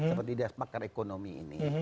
seperti pakar ekonomi ini